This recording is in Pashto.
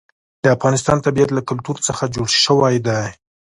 د افغانستان طبیعت له کلتور څخه جوړ شوی دی.